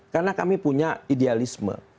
karena kami punya idealisme